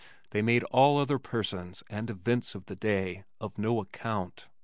They made all other persons and events of the day of no account.